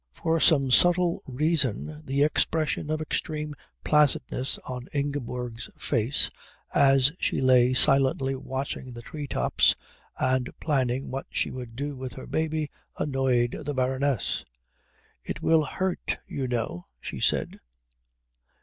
For some subtle reason the expression of extreme placidness on Ingeborg's face as she lay silently watching the tree tops and planning what she would do with her baby annoyed the Baroness. "It will hurt, you know," she said.